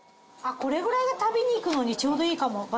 あっこれぐらいが旅に行くのにちょうどいいかも。